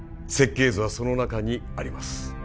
設計図はその中にあります